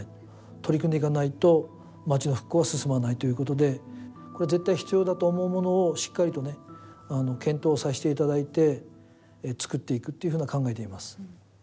取り組んでいかないと町の復興は進まないということでこれは絶対必要だと思うものをしっかりと検討させていただいて造っていくというふうな考えでいます。